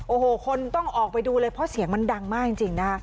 โอ้โหคนต้องออกไปดูเลยเพราะเสียงมันดังมากจริงนะคะ